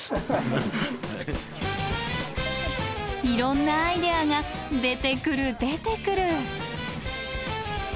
いろんなアイデアが出てくる出てくる。